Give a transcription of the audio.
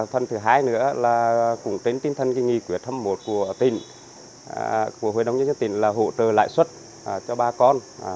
phần thứ hai nữa là cũng đến tinh thần nghi quyết thâm một của huyện đồng nhất nhất tỉnh là hỗ trợ lại xuất cho ba con